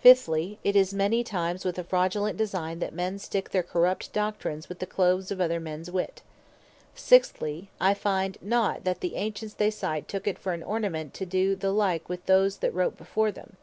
Fiftly, it is many times with a fraudulent Designe that men stick their corrupt Doctrine with the Cloves of other mens Wit. Sixtly, I find not that the Ancients they cite, took it for an Ornament, to doe the like with those that wrote before them.